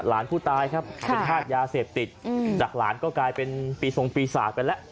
หลานผู้ตายครับเป็นธาตุยาเสพติดจากหลานก็กลายเป็นปีทรงปีศาจไปแล้ว